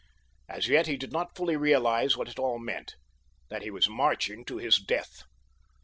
As yet he did not fully realize what it all meant—that he was marching to his death!